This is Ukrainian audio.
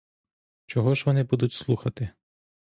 Чого ж вони будуть слухати?